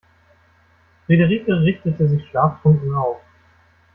Friederike richtete sich schlaftrunken auf.